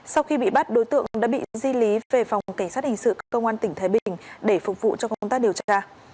sau khi bị bắt đối tượng đã bị di lý về phòng cảnh sát hình sự công an tỉnh thái bình để phục vụ cho công tác điều tra